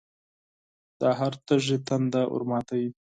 د هر تږي تنده ورماتوي.